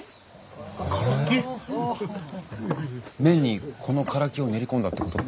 麺にこのカラキを練り込んだってこと？